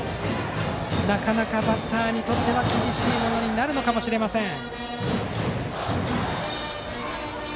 なかなかバッターにとっては厳しいものになるかもしれません。